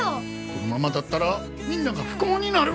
このままだったらみんなが不幸になる。